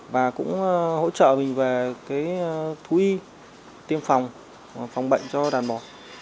và cũng hỗ trợ mình về thu y tiêm phòng phòng bệnh cho đàn bò